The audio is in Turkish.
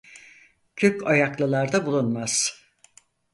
Kök ayaklılarda bulunmaz.